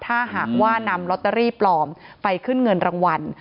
ถ้าหากว่านำลอตเตอรี่ปลอมไปขึ้นเงินรางวัล